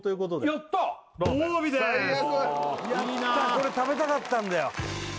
やったこれ食べたかったんだよ